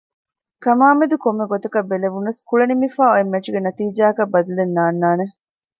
ކަމާމެދު ކޮންމެ ގޮތަކަށް ބެލެވުނަސް ކުޅެ ނިމިފައި އޮތް މެޗުގެ ނަތީޖާއަކަށް ބަދަލެއް ނާންނާނެ